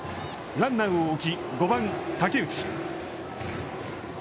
ランナーを置き、５番武内。